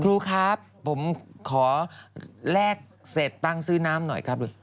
ครูครับผมขอแลกเสร็จตั้งซื้อน้ำหน่อยครับ